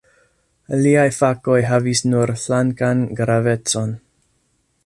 Aliaj fakoj havis nur flankan gravecon.